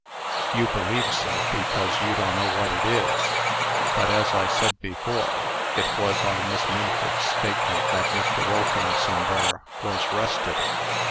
"You believe so, because you do' 'no' what it is. But, as I said before, it wos on Miss Minford's statement that Mr. Wilkingson there was 'rested.